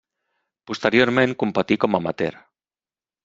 Posteriorment competí com amateur.